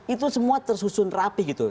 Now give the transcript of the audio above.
itu semua tersusun rapih gitu